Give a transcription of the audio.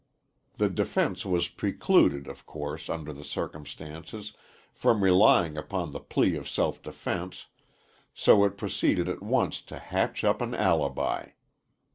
The defense was precluded, of course, under the circumstances, from relying upon the plea of self defense, so it proceeded at once to hatch up an alibi.